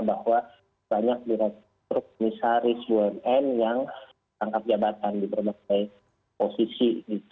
bahwa banyak direktur komisaris bumn yang tangkap jabatan di berbagai posisi